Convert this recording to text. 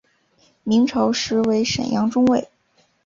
明朝时为沈阳中卫。